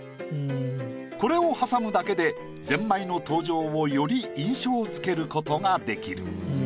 これを挟むだけでゼンマイの登場をより印象づけることができる。